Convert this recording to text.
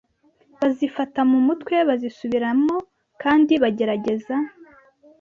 bazifata mu mutwe bazisubiramo kandi bagerageza